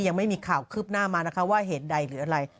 ยังไม่มีข่าวคืบหน้ามานะคะว่าเหตุใดหรืออะไร